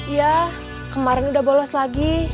ya kemarin udah bolos lagi